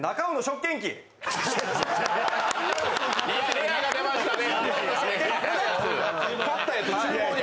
レアが出ましたね！